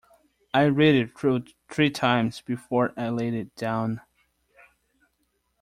I read it through three times before I laid it down.